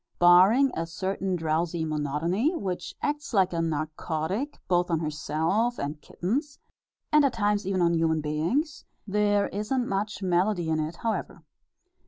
Barring a certain drowsy monotony, which acts like a narcotic both on herself and kittens, and at times even on human beings, there isn't much melody in it, however.